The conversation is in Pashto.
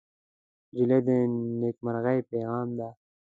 نجلۍ د نیکمرغۍ پېغام ده.